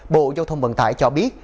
bộ giao thông vận tải cho biết